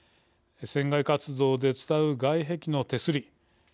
船外活動で伝う外壁の手すり。